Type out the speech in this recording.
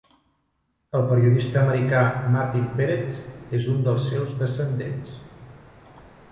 El periodista americà Martin Peretz és un dels seus descendents.